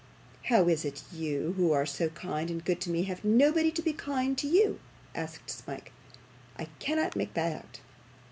'How is it that you, who are so kind and good to me, have nobody to be kind to you?' asked Smike. 'I cannot make that out.